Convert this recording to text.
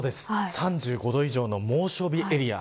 ３５度以上の猛暑日エリア。